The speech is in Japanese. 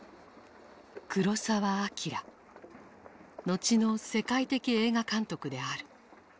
後の世界的映画監督である。